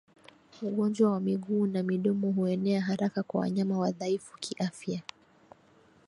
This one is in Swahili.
Ugonjwa wa miguu na midomo huenea haraka kwa wanyama wadhaifu kiafya